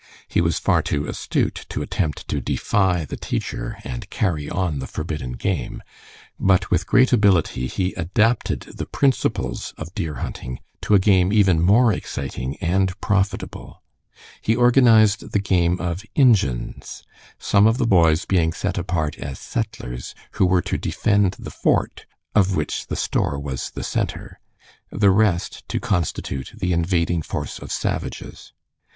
He was far too astute to attempt to defy the teacher and carry on the forbidden game, but with great ability he adapted the principles of deer hunting to a game even more exciting and profitable. He organized the game of "Injuns," some of the boys being set apart as settlers who were to defend the fort, of which the store was the center, the rest to constitute the invading force of savages.